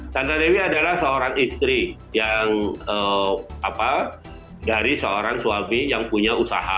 sandra dewi adalah seorang istri yang dari seorang suami yang punya usaha